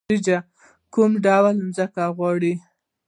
وریجې کوم ډول ځمکه غواړي؟